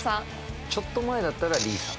ちょっと前だったら。